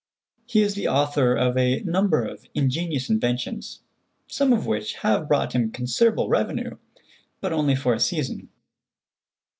He is the author of a number of ingenious inventions, some of which have brought him considerable revenue, but only for a season.